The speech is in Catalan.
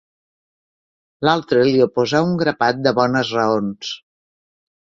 L'altre li oposà un grapat de bones raons.